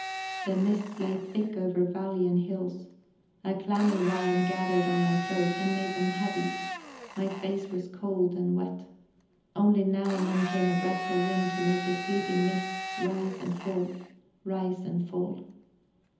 ... The mist lay thick over valley and hills; a clammy rime gathered on my clothes and made them heavy, my face was cold and wet. Only now and then came a breath of wind to make the sleeping mists rise and fall, rise and fall.